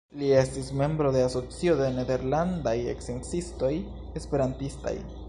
Li estis membro de Asocio de Nederlandaj Sciencistoj Esperantistaj.